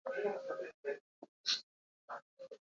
Vai tu domā, ka rīt būsi pirmais?